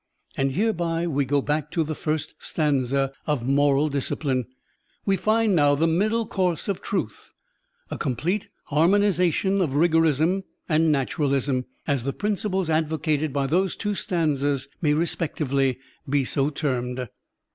And hereby we go back to the first stanza of moral discipline. We find now the middle course of truth, a complete harmonization of rigorism and naturalism, as the principles advocated by those two stanzas may respectively be so termed.